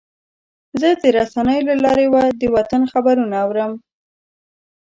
زه د رسنیو له لارې د وطن خبرونه اورم.